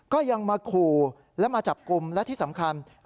ก็ยังมาขู่และมาจับกลุ่มและที่สำคัญ